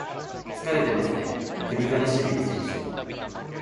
疲れてますね、グリガラシビリ選手。